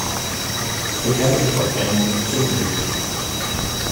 Gefährliche Verbrennungen sind möglich.